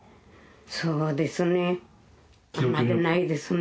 そうですね。